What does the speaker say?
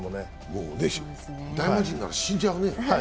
大魔神なら死んじゃうね。